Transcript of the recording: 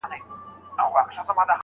د هغه شپې څخه شپې نه کلونه تېر شوله خو